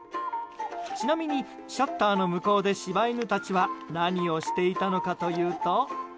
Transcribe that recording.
ちなみに、シャッターの向こうで柴犬たちは何をしていたのかというと。